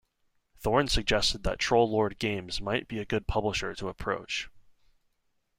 Thorne suggested that Troll Lord Games might be a good publisher to approach.